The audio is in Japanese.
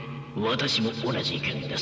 私も同じ意見です。